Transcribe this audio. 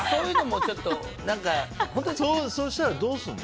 そしたらどうするの？